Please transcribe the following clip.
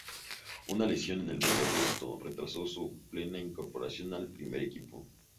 Una lesión en el mes de agosto, retrasó su plena incorporación al primer equipo.